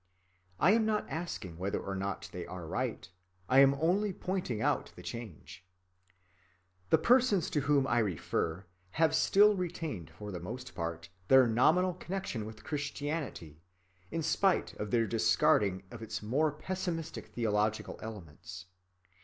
I am not asking whether or not they are right, I am only pointing out the change. The persons to whom I refer have still retained for the most part their nominal connection with Christianity, in spite of their discarding of its more pessimistic theological elements.